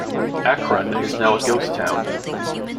Acron is now a ghost town.